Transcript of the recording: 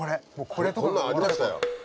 こんなんありましたよ。